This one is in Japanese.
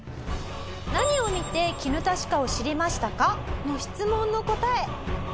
「何を見てきぬた歯科を知りましたか？」の質問の答え